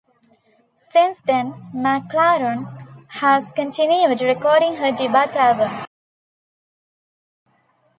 Since then, McClarnon has continued recording her debut album.